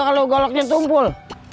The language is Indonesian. kalau goloknya tumpul